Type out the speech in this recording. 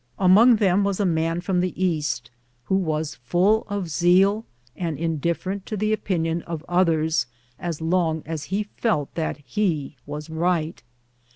Among them was a man from the East, who was full of zeal and indifferent to the opinion of others as long as he felt that he was right.